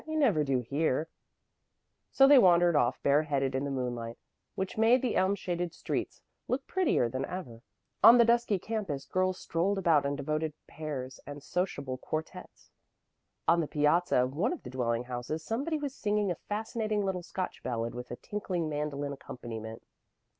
You never do here." So they wandered off bareheaded in the moonlight, which made the elm shaded streets look prettier than ever. On the dusky campus girls strolled about in devoted pairs and sociable quartettes. On the piazza of one of the dwelling houses somebody was singing a fascinating little Scotch ballad with a tinkling mandolin accompaniment.